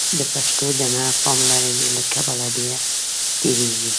د پښتو د نه پاملرنې له کبله ډېره تېرېږي.